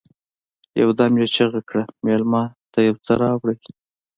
يودم يې چيغه کړه: مېلمه ته يو څه راوړئ!